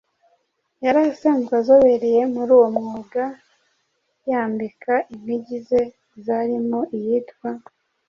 Yari asanzwe azobereye muri uwo mwuga, yambika impigi ze zarimo iyitwa